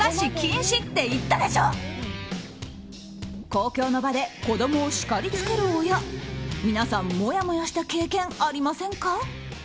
公共の場で子供をしかりつける親皆さんもやもやした経験ありませんか？